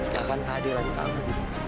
bahkan kehadiran kamu